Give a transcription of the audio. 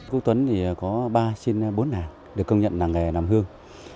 quốc tuấn có ba xin bốn nàng được công nhận làng nghề làm hương